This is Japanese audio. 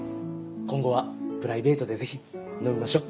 今後はプライベートでぜひ飲みましょう。